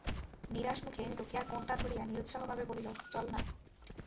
নিরাশ মুখে রোয়াকের কোণটা ধরিয়া নিরুৎসাহভাবে বলিল, চল না।